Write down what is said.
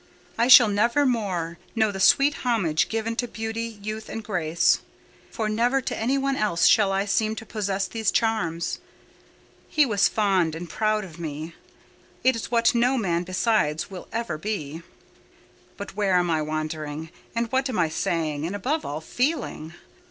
I shall never more know the sweet homage given to beauty, youth, and grace—for never to any one else shall I seem to possess these charms. He was fond and proud of me—it is what no man besides will ever be.—But where am I wandering, and what am I saying, and above all, feeling?